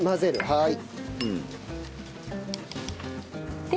はい。